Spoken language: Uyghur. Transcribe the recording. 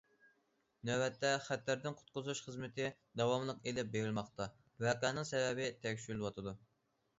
نۆۋەتتە، خەتەردىن قۇتقۇزۇش خىزمىتى داۋاملىق ئېلىپ بېرىلماقتا، ۋەقەنىڭ سەۋەبى تەكشۈرۈلۈۋاتىدۇ.